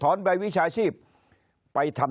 คนในวงการสื่อ๓๐องค์กร